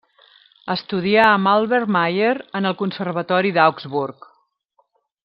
Estudià amb Albert Mayer en el Conservatori d'Augsburg.